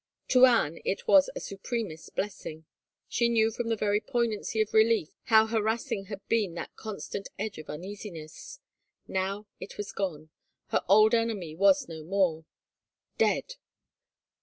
To Anne it was a supremest blessing. She knew from the very poignancy of relief how harassing had been that constant edge of uneasiness. Now it was gone. Her old enemy was no more. Dead